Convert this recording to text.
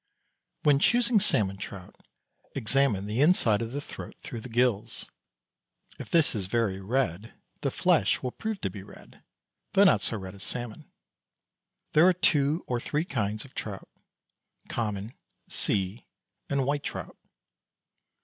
When choosing salmon trout examine the inside of the throat through the gills. If this is very red the flesh will prove to be red, though not so red as salmon. There are two or three kinds of trout: common, sea, and white trout.